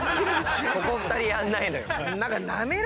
ここ２人やんないのよ。